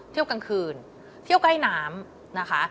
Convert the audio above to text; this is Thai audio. เที่ยวกลางคืนเที่ยวใกล้น้ำนะคะ